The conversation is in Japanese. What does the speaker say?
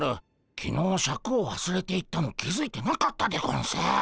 きのうシャクをわすれていったの気付いてなかったでゴンス。